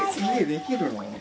できるの？